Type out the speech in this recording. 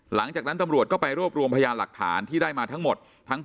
หลังจากนั้นตำรวจก็ไปรวบรวมพยานหลักฐานที่ได้มาทั้งหมด